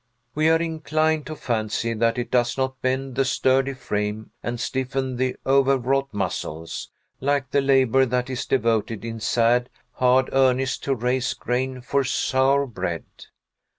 We are inclined to fancy that it does not bend the sturdy frame and stiffen the overwrought muscles, like the labor that is devoted in sad, hard earnest to raise grain for sour bread.